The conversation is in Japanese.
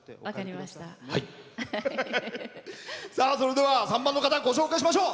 それでは３番の方ご紹介しましょう。